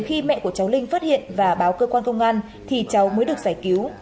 khi mẹ của cháu linh phát hiện và báo cơ quan công an thì cháu mới được giải cứu